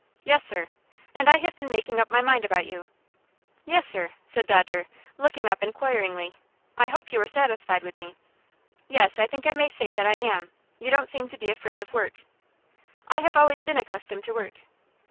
"Yes, sir." "And I have been making up my mind about you." "Yes, sir," said Dodger, looking up inquiringly. "I hope you are satisfied with me?" "Yes, I think I may say that I am. You don't seem to be afraid of work." "I have always been accustomed to work."